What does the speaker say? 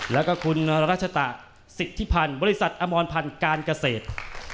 แล้วก็คุณรัชตะสิทธิพันธ์บริษัทอมรพันธ์การเกษตร